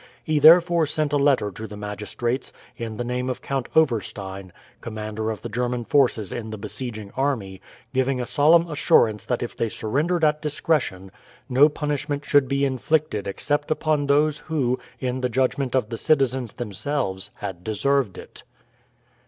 He therefore sent a letter to the magistrates, in the name of Count Overstein, commander of the German forces in the besieging army, giving a solemn assurance that if they surrendered at discretion no punishment should be inflicted except upon those who, in the judgment of the citizens themselves, had deserved it.